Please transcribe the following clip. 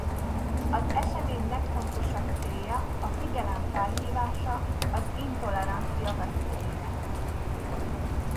Az esemény legfontosabb célja a figyelem felhívása az intolerancia veszélyeire.